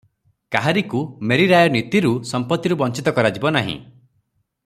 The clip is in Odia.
କାହାରିକୁ ମେରୀରାୟ ନୀତିରେ ସମ୍ପତ୍ତିରୁ ବଞ୍ଚିତ କରାଯିବ ନାହିଁ ।